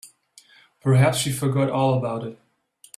Perhaps she forgot all about it.